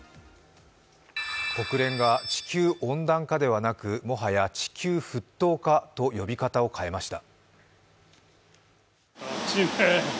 国連が地球温暖化ではなくもはや地球沸騰化と呼び方を変えました。